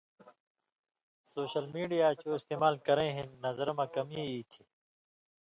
سوشل میڈیاں چو استعمال کرَیں ہِن نظرہ مہ کمی ایتھی